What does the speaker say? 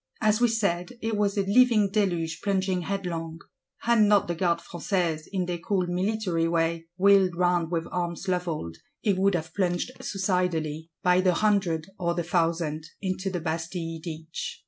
As we said, it was a living deluge, plunging headlong; had not the Gardes Françaises, in their cool military way, "wheeled round with arms levelled," it would have plunged suicidally, by the hundred or the thousand, into the Bastille ditch.